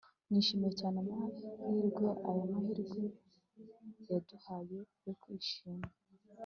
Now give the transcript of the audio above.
Nishimiye cyane amahirwe aya mahirwe yaduhaye yo kwishima